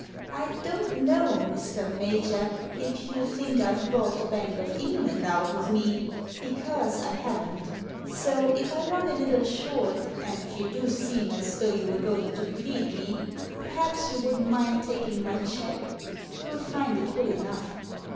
"I don't know, Mr. Major, if you think I've brought the Bank of England out with me, because I haven't; so if I run a little short — ^and you do seem as though you were going to bleed me — perhaps you wouldn't mind taking my cheque; you'll find it good enough."